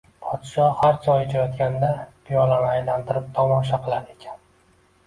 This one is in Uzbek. Podsho har choy ichayotganda piyolani aylantirib tomosha qilar ekan